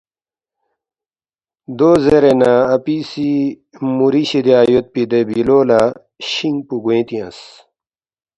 دو زیرے نہ اپی سی مُوری شِدیا یودپی دے بِلو لہ شِنگ پو گوینگ تیانگس